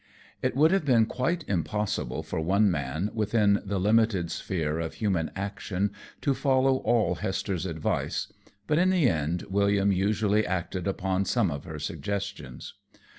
It would have been quite impossible for one man, within the limited sphere of human action, to follow all Hester's advice, but in the end William usually acted upon some of her suggestions.